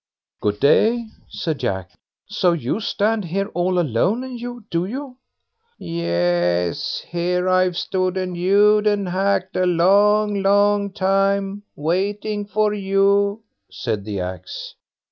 "Good day!" said Jack. "So you stand here all alone and hew, do you?" "Yes; here I've stood and hewed and hacked a long long time, waiting for you", said the Axe.